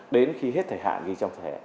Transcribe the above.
đến khi hết thời hạn ghi trong thẻ